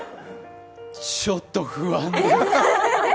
ちょっと不安です。